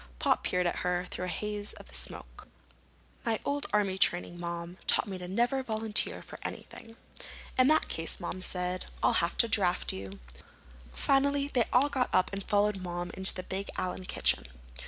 Pop peered at her through the haze of smoke. "My old army training, Mom, taught me never to volunteer for anything." "In that case," Mom said, "I'll have to draft you." Finally they all got up and followed Mom into the big Allen kitchen.